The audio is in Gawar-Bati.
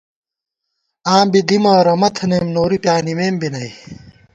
آں بی دِمہ ، رمہ تھنَئیم، نوری بانِمېم بی نئ